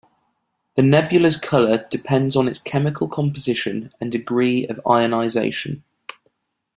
The nebula's color depends on its chemical composition and degree of ionization.